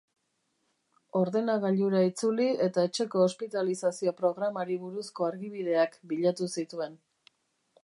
Ordenagailura itzuli eta etxeko ospitalizazio programari buruzko argibideak bilatu zituen.